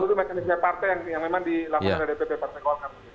itu mekanisme partai yang memang dilakukan oleh dpp partai golkar